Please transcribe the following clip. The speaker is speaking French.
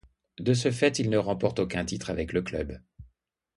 De ce fait, il ne remporte aucun titre avec le club.